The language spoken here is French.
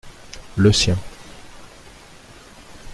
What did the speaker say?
Le sien.